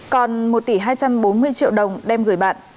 còn một tỷ hai trăm bốn mươi triệu đồng đem gửi bạn